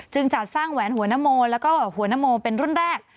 จึงจัดสร้างหัวหน้าโมและหัวหน้าโมเป็นรุ่นแรก